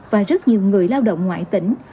và rất nhiều người lao động ngoại tỉnh